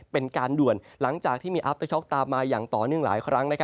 เป็นการด่วนหลังจากที่มีอัพเตอร์ช็อกตามมาอย่างต่อเนื่องหลายครั้ง